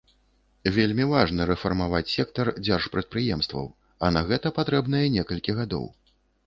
Вельмі важна рэфармаваць сектар дзяржпрадпрыемстваў, а на гэта патрэбныя некалькі гадоў.